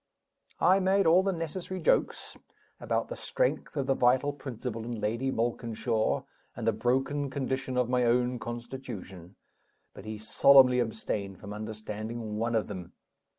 I made all the necessary jokes about the strength of the vital principle in Lady Malkinshaw, and the broken condition of my own constitution; but he solemnly abstained from understanding one of them.